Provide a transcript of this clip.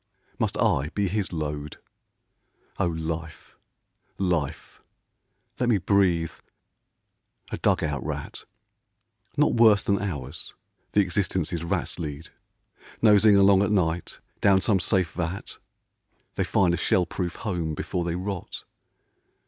Must I be his load ? O Life, Life, let me breathe, — a dug out rat ! Not worse than ours the existences rats lead — Nosing along at night down some safe vat, They find a shell proof home before they rot.